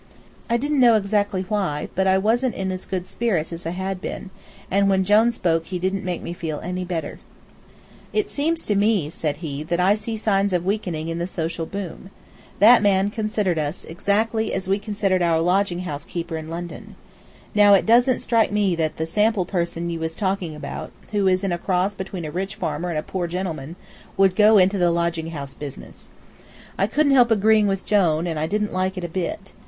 I didn't know exactly why, but I wasn't in as good spirits as I had been, and when Jone spoke he didn't make me feel any better. [Illustration: "I see signs of weakening in the social boom"] "It seems to me," said he, "that I see signs of weakening in the social boom. That man considers us exactly as we considered our lodging house keeper in London. Now, it doesn't strike me that that sample person you was talking about, who is a cross between a rich farmer and a poor gentleman, would go into the lodging house business." I couldn't help agreeing with Jone, and I didn't like it a bit.